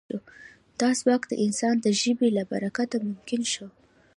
دا ځواک د انسان د ژبې له برکته ممکن شو.